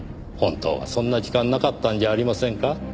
本当はそんな時間なかったんじゃありませんか？